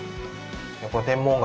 天文学